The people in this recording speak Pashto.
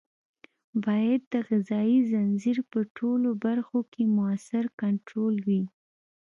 باید د غذایي ځنځیر په ټولو برخو کې مؤثر کنټرول وي.